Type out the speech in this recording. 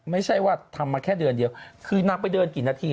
ไม่ใช่ว่าทำมาแค่เดือนเดียวคือนางไปเดินกี่นาที